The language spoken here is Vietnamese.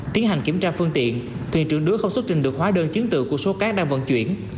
tiến hành kiểm tra phương tiện thuyền trưởng đứa không xuất trình được hóa đơn chứng tự của số cát đang vận chuyển